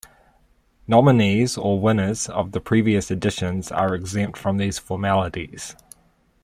Nominees or winners of the previous editions are exempt from these formalities.